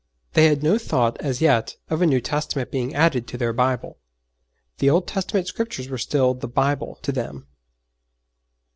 They had no thought, as yet, of a New Testament being added to their Bible; the Old Testament Scriptures were still the 'Bible' to them.